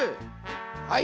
はい。